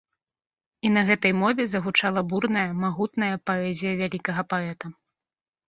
І на гэтай мове загучала бурная, магутная паэзія вялікага паэта.